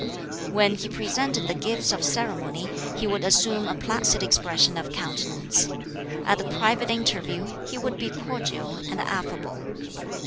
When he presented the gifts of ceremony, he would assume a placid expression of countenance. At the private interview he would be cordial and affable.